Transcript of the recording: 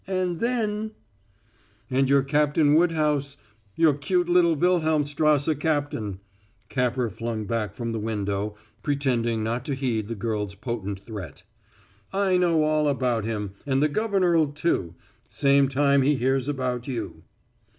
And then " "And your Captain Woodhouse your cute little Wilhelmstrasse captain," Capper flung back from the window, pretending not to heed the girl's potent threat; "I know all about him, and the governor'll know, too same time he hears about you!"